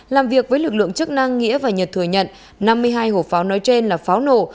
làm việc với lực lượng chức năng nghĩa và nhật thừa nhận năm mươi hai hộp pháo nói trên là pháo nổ